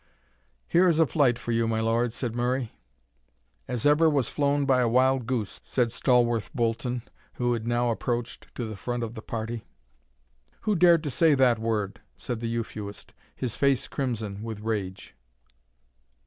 "Here is a flight for you, my lord!" said Murray. "As ever was flown by a wild goose," said Stawarth Bolton, who had now approached to the front of the party. "Who dared to say that word?" said the Euphuist, his face crimson with rage.